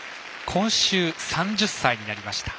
今週、３０歳になりました。